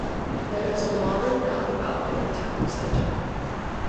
There is a modern roundabout in the town centre.